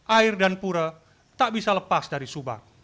air dan pura tak bisa lepas dari subang